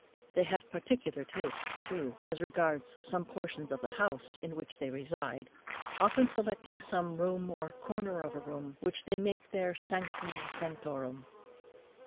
They have particular tastes too, as regards some portions of the house in which they reside, often selecting some room or corner of a room which they make their "sanctum sanctorum."